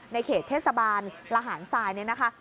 ในเขตเทศบาลละหารทรายเนี่ยนะคะ